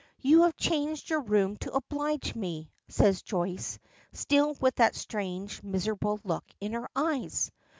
"You have changed your room to oblige me," says Joyce, still with that strange, miserable look in her eyes.